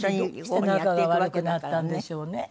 どうして仲が悪くなったんでしょうね？